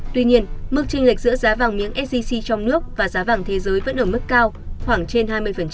tuy nhiên mức tranh lệch giữa giá vàng miếng sgc trong nước và giá vàng thế giới vẫn ở mức cao khoảng trên hai mươi